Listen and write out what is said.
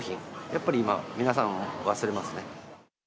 やっぱり今、皆さん、忘れますね。